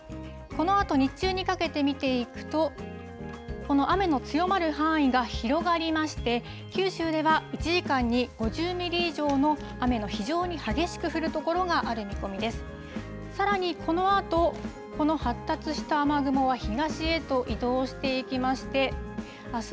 このあと日中にかけて見ていくと、この雨の強まる範囲が広がりまして、九州では１時間に５０ミリ以上の雨の非常に激しく降る所がある見込みです。